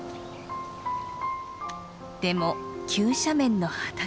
でも急斜面の畑。